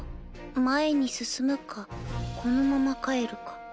前に進むかこのまま帰るか。